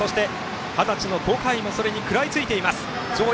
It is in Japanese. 二十歳の小海も食らいついています。